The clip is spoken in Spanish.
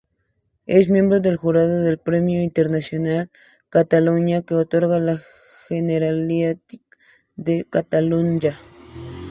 Es miembro del jurado del Premio Internacional Cataluña que otorga la Generalitat de Catalunya.